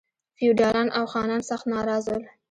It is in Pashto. فیوډالان او خانان سخت ناراض ول.